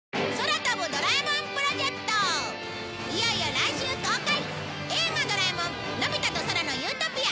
いよいよ来週公開『映画ドラえもんのび太と空の理想郷』。